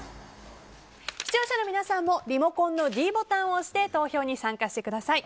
視聴者の皆さんもリモコンのｄボタンを押して投票に参加してください。